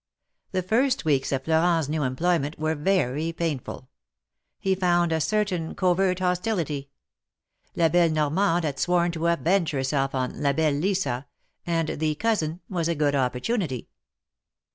The first weeks of Florent's new employment were very painful. He found a certain covert hostility ; the belle Normande had sworn to avenge herself on La belle Lisa," and the cousin " was a good opportunity.